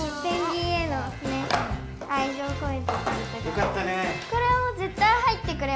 よかったね。